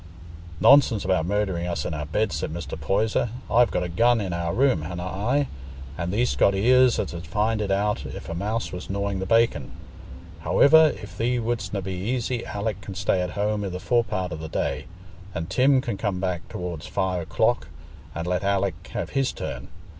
"Nonsense about murdering us in our beds," said Mr. Poyser; "I've got a gun i' our room, hanna I? and thee'st got ears as 'ud find it out if a mouse was gnawing the bacon. Howiver, if thee wouldstna be easy, Alick can stay at home i' the forepart o' the day, and Tim can come back tow'rds five o'clock, and let Alick have his turn.